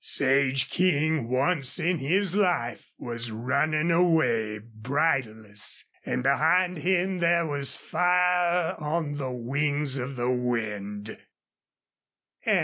Sage King once in his life was running away, bridleless, and behind him there was fire on the wings of the wind.